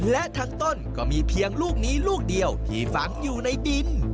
และทั้งต้นก็มีเพียงลูกนี้ลูกเดียวที่ฝังอยู่ในดิน